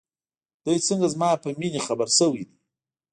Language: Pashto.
دى څنگه زما په مينې خبر سوى دى.